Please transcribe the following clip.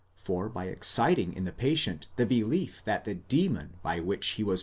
for by exciting in the patient the belief that the demon by which he 32'S.